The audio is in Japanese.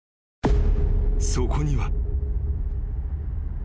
［そこには］